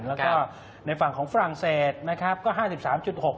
แล้วก็ในฝั่งของฝรั่งเศสก็๕๓๖จุด